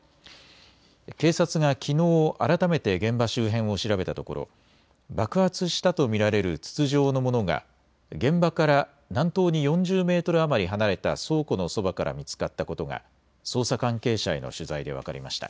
警察がきのう改めて現場周辺を調べたところ爆発したと見られる筒状のものが現場から南東に４０メートル余り離れた倉庫のそばから見つかったことが捜査関係者への取材で分かりました。